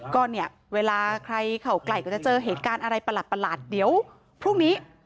ก็เนี่ยเวลาใครเข้าใกล้ก็จะเจอเหตุการณ์อะไรประหลาดเดี๋ยวพรุ่งนี้